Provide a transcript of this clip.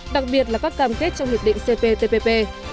đặc biệt là các cam kết trong hiệp định cptpp